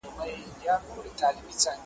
اختر په وینو `